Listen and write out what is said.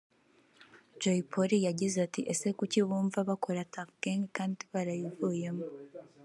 Jay Polly yagize ati ” Ese kuki bumva bakora Tuff Gang kandi barayivuyemo